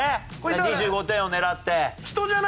２５点を狙って。